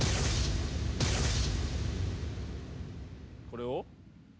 これを？